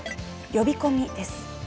「呼び込み」です。